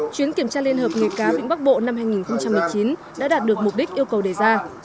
chuyến kiểm tra liên hợp nghề cá vịnh bắc bộ năm hai nghìn một mươi chín đã đạt được mục đích yêu cầu đề ra